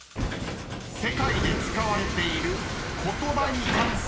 ［世界で使われている言葉に関する問題］